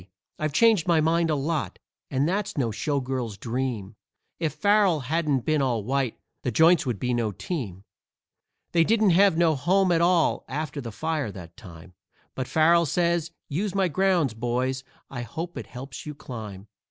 I've changed my mind a lot, and that's no showgirl's dream; If Farrell hadn't been all white, the Joints would be no team. They didn't have no home at all after the fire that time, But Farrell says, "Use my grounds, boys; I hope it helps you climb."